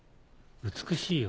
美しいよ。